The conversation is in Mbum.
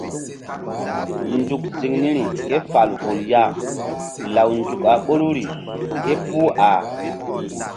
Nzuk ziŋ niri ke fal vul ya law nzuk a ɓoruri képuh a.